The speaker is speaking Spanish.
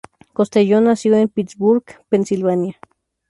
Costello nació en Pittsburgh, Pennsylvania.